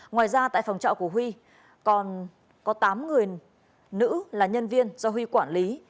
ngoài ra tại phòng trọ của huy còn có tám người nữ là nhân viên do huy quản lý